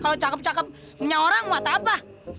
kalau cakep cakep punya orang mau apa apa